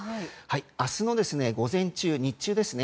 明日の午前中、日中ですね。